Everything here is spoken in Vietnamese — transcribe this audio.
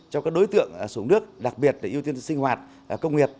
cho các đối tượng xuống nước đặc biệt để ưu tiên sinh hoạt công nghiệp